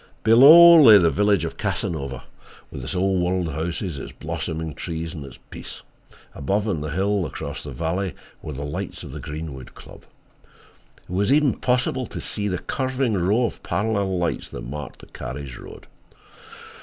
Below lay the village of Casanova, with its Old World houses, its blossoming trees and its peace. Above on the hill across the valley were the lights of the Greenwood Club. It was even possible to see the curving row of parallel lights that marked the carriage road.